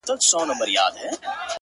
ه ياره د څراغ د مــړه كولو پــه نـيت;